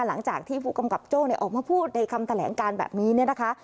หลังจากที่ผู้กำกับโจ้ออกมาพูดในคำแถลงการแบบนี้เนี่ยนะคะ